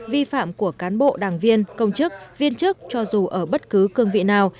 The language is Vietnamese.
vi phạm của cán bộ đảng viên công chức viên chức cho dù ở bất cứ cương vị nào